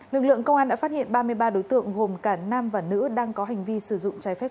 lực lượng công an đã phát hiện ba mươi ba đối tượng gồm cả nam và nữ đang có hành vi sử dụng trái phép